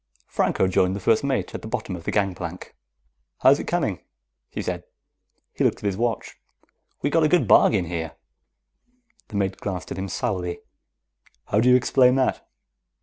Franco joined the first mate at the bottom of the gangplank. "How's it coming?" he said. He looked at his watch. "We got a good bargain here." The mate glanced at him sourly. "How do you explain that?"